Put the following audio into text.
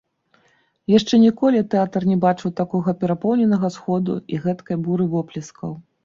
Яшчэ ніколі тэатр не бачыў такога перапоўненага сходу і гэткай буры воплескаў.